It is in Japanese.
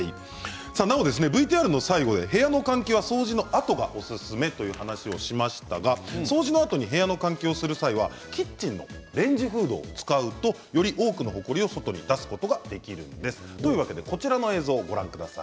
ＶＴＲの最後で部屋の換気は掃除のあとがおすすめという話をしましたが掃除のあとに部屋の換気をする際は、キッチンのレンジフードを使うと、より多くのほこりを外に出すことができるんです。